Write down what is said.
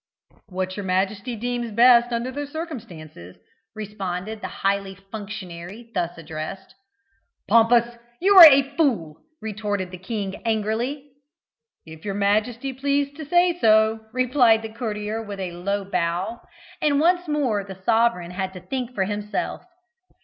"What your majesty deems best under the circumstances," responded the high functionary thus addressed. "Pompous, you are a fool," retorted the king, angrily. "If your majesty please to say so," replied the courtier, with a low bow, and once more the sovereign had to think for himself.